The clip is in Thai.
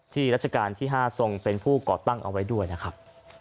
รัชกาลที่๕ทรงเป็นผู้ก่อตั้งเอาไว้ด้วยนะครับ